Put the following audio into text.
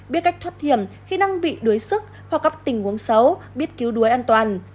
biết cách thoát hiểm khi năng bị đuối sức hoặc gặp tình huống xấu biết cứu đuối an toàn